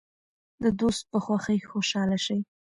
د دوست په خوښۍ خوشحاله شئ.